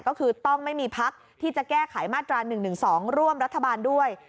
ก็คือต้องไม่มีพักที่จะแก้ไขมาตรา๑๑๒ร่วมรัฐบาลด้วย